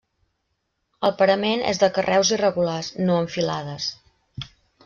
El parament és de carreus irregulars, no en filades.